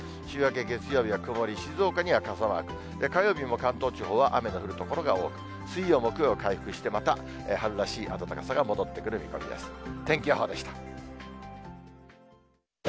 週明け月曜日は曇り、静岡には傘マーク、火曜日も関東地方は雨が降る所が多く、水曜、木曜、回復して、また春らしい暖かさが戻ってくる見込みです。